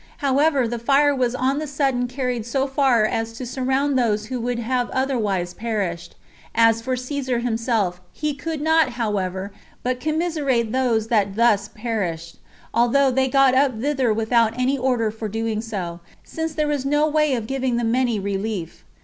However, the fire was on the sudden carried so far as to surround those who would have otherwise perished. As for Caesar himself, he could not, however, but commiserate those that thus perished, although they got up thither without any order for so doing, since there was no way of giving the many relief.